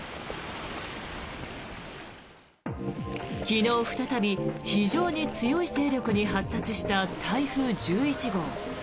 昨日、再び非常に強い勢力に発達した台風１１号。